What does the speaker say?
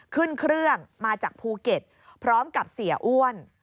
ขึ้นเครื่องมาจากภูเก็ตพร้อมกับเสียอ้วน